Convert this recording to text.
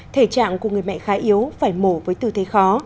thể trạng của người mẹ khá yếu phải mổ với tư thế khó